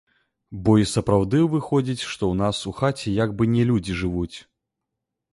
Бо і сапраўды выходзіць, што ў нас у хаце як бы не людзі жывуць.